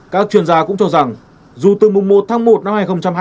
các chuyên gia cũng cho rằng dù từ mùng một tháng một năm hai nghìn hai mươi